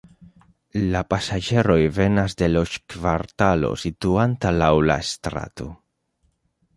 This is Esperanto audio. La pasaĝeroj venas de loĝkvartalo situanta laŭ la strato.